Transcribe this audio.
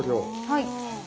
はい。